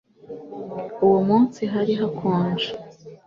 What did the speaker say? Uwo munsi hari hakonje